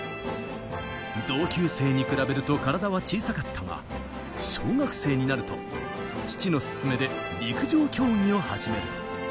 同級生に比べると体は小さかったが、小学生になると父の勧めで陸上競技を始める。